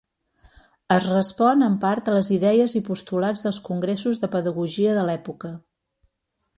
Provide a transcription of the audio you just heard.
Es respon en part a les idees i postulats dels congressos de pedagogia de l'època.